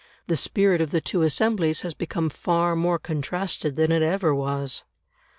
The spirit of the two Assemblies has become far more contrasted than it ever was.